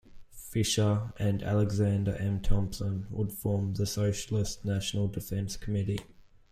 Fisher, and Alexander M. Thompson, would form the Socialist National Defence Committee.